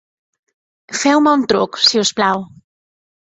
Feu-me un truc, si us plau.